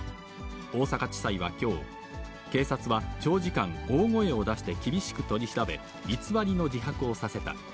大阪地裁はきょう、警察は長時間、大声を出して厳しく取り調べ、偽りの自白をさせた。